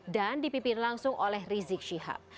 dan dipimpin langsung oleh rizik shihab